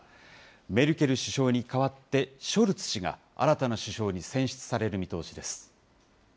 メルケル首相に代わってショルツ氏が、新たな首相に選出される見通しです。